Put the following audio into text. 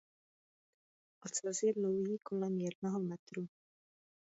Ocas je dlouhý okolo jednoho metru.